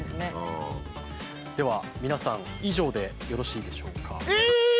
では皆さん以上でよろしいでしょうか？